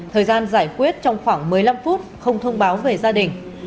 thời gian giải quyết trong khoảng một mươi năm phút không thông báo về gia đình